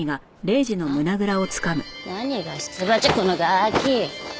何が出馬じゃこのガキ。